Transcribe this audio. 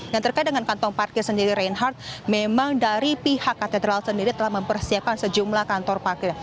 yang terkait dengan kantong parkir sendiri reinhardt memang dari pihak katedral sendiri telah mempersiapkan sejumlah kantor parkir